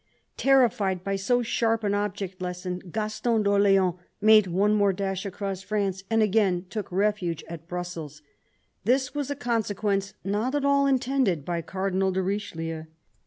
Terrified by so sharp an object lesson, Gaston d'Orleans made one more dash across France and again took refuge at Brussels. This was a consequence not at all intended by Cardinal de Richelieu.